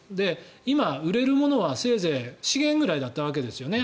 今、売れるものはせいぜい資源ぐらいだったわけですよね